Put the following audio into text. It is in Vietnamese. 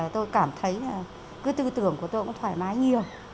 tôi cảm thấy là cứ tư tưởng của tôi cũng thoải mái nhiều